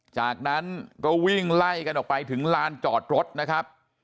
จากนั้นก็วิ่งไล่กันออกไปถึงลานจอดรถนะครับ